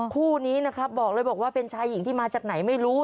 คู่นี้นะครับบอกเลยบอกว่าเป็นชายหญิงที่มาจากไหนไม่รู้